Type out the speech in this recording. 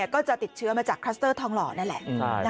ก็จะติดเชื้อมาจากคลัสเตอร์ทองหล่อนั่นแหละ